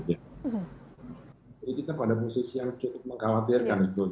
jadi kita pada posisi yang cukup mengkhawatirkan itu